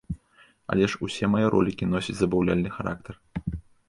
Але ж усе мае ролікі носяць забаўляльны характар.